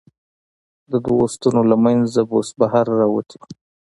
د دوو ستنو له منځه بوس بهر را وتي و.